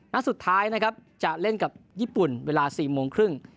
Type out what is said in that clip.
นัดสุดท้ายนะครับจะเล่นกับญี่ปุ่นเวลา๔โมงครึ่ง